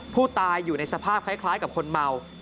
ผู้ตายอยู่ในสภาพคล้ายกับคนเมา